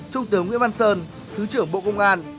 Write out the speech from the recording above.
trung tướng nguyễn văn sơn thứ trưởng bộ công an